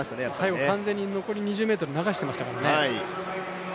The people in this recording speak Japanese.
最後、完全に残り２ｍ流していましたからね。